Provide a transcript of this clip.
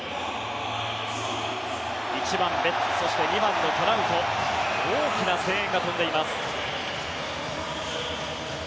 １番、ベッツ２番のトラウト大きな声援が飛んでいます。